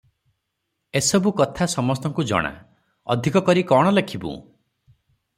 ଏ ସବୁ କଥା ସମସ୍ତଙ୍କୁ ଜଣା, ଅଧିକ କରି କଣ ଲେଖିବୁଁ?